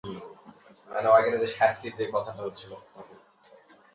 তাকে পারিশ্রমিকের বিনিময়ে তোমার বকরী চরাবার জন্যে নিযুক্ত কর।